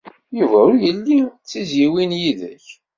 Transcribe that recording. Yuba ur yelli d tizzyiwin yid-k.